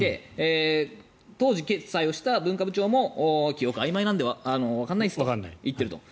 当時、決裁をした文化部長も記憶があいまいなのでわからないですと言っていると。